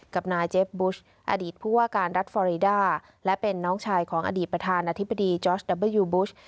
กับนายเจฟบุชอดีตผู้ว่าการรัฐฟอรีดาและเป็นน้องชายของอดีตประธานาธิบดีจอร์สดับเบอร์ยูบูช